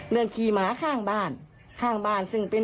ขี่หมาข้างบ้านข้างบ้านซึ่งเป็น